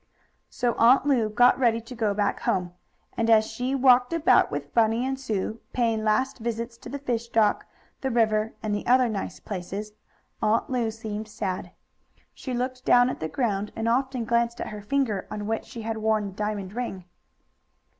So Aunt Lu got ready to go back home. And as she walked about with Bunny and Sue, paying last visits to the fish dock, the river and the other nice places, Aunt Lu seemed sad. She looked down at the ground, and often glanced at her finger on which she had worn the diamond ring.